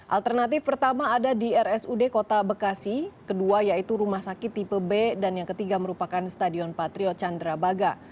alternatif pertama ada di rsud kota bekasi kedua yaitu rumah sakit tipe b dan yang ketiga merupakan stadion patriot candrabaga